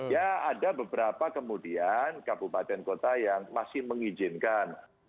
ya ada beberapa kemudian kabupaten kota yang masih mengizinkan